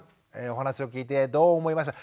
お話を聞いてどう思いました？